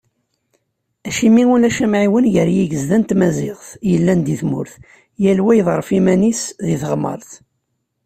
Acimi ulac amɛiwen gar yigezda n tmaziɣt yellan di tmurt, yal wa iḍerref iman-is di teɣmart?